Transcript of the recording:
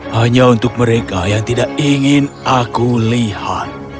hanya untuk mereka yang tidak ingin aku lihat